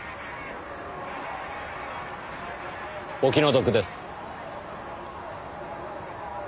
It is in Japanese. お気の毒です。